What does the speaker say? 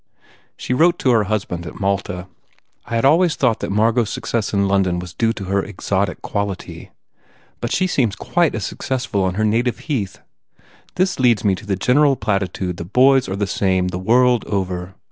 She wrote to her husband at Malta: "I had always thought that M argot s success in London was due to her exotic quality. But she seems quite as successful on her native heath. This leads me to the general platitude that boys are the same the world over.